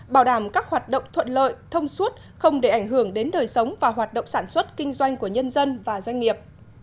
bảo đảm các hoạt động thuận lợi thông suốt không để ảnh hưởng đến đời sống và hoạt động sản xuất kinh doanh của nhân dân và doanh nghiệp